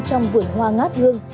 trong vườn hoa ngát gương